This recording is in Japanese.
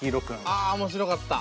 あ面白かった。